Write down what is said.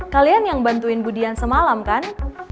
kalian yang bantuin bu dian semalam kan